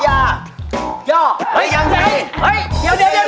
เยาะเห้ยเห้ยเดี๋ยวเดี๋ยว